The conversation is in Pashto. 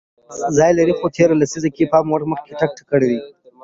ځای لري خو تېره لیسزه کې یې د پام وړ مخکې تګ کړی دی